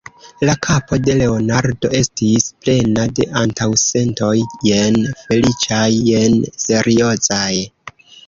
La kapo de Leonardo estis plena de antaŭsentoj, jen feliĉaj, jen seriozaj.